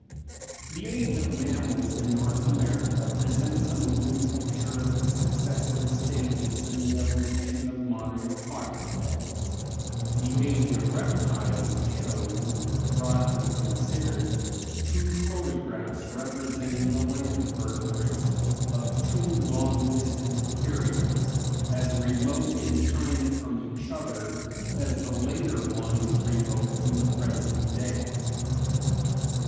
_ The Age of Mammals in North America presents a moving picture of the successive stages in the evolution of modern quadrupeds; the Age of Reptiles shows (broadly considered) two photographs representing the land vertebrates of two long distant periods, as remote in time from each other as the later one is remote from the present day.